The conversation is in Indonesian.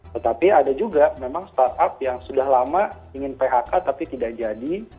tetapi ada juga memang startup yang sudah lama ingin phk tapi tidak jadi